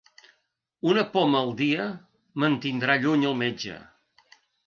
Una poma al dia mantindrà lluny el metge.